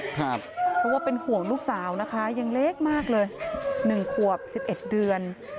เพราะว่าเป็นห่วงลูกสาวนะคะยังเล็กมากเลย๑ขวบ๑๑เดือน